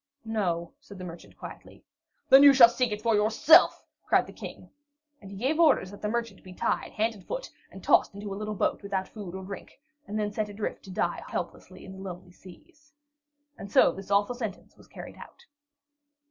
"No," said the merchant quietly. "Then you shall seek for it yourself," cried the King. And he gave orders that the merchant be tied hand and foot, and tossed into a little boat without food or drink, and then sent adrift to die helplessly in the lonely seas. And so this awful sentence was carried out.